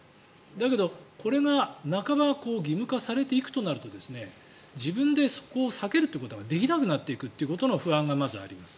だけど、これが半ば義務化されていくとなると自分で避けるということができなくなっていくということの不安がまずあります。